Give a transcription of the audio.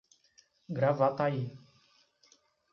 Gravataí